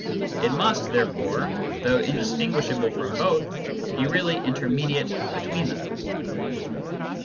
It must, therefore, though indistinguishable from both, be really intermediate between them.